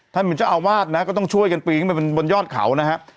ท่านมันจะเอาวาดนะฮะก็ต้องช่วยกันปีนไปบนยอดเขานะฮะ